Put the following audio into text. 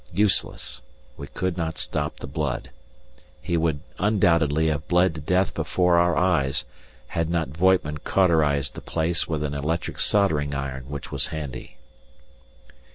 Useless we could not stop the blood. He would undoubtedly have bled to death before our eyes, had not Voigtman cauterized the place with an electric soldering iron which was handy.